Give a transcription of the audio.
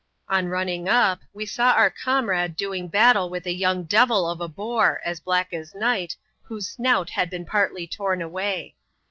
On running up, we saw our comrade doing battle with a young devil of a boar, as black as night, whose snout had been partly torn away.